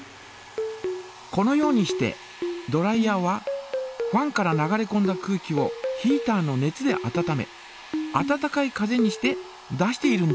このようにしてドライヤーはファンから流れこんだ空気をヒータの熱で温め温かい風にして出しているんです。